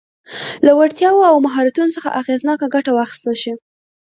له وړتیاوو او مهارتونو څخه اغېزناکه ګټه واخیستل شي.